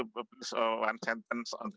ya saya bisa dengar satu kata